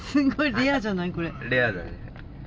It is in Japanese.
レアだね。